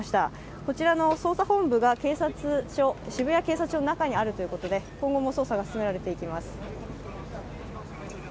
こちらの捜査本部が渋谷警察署の中にあるということで今後も捜査が進められていきます。